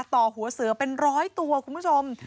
ต่อหัวเสือเป็นร้อยตัวคุณผู้ชม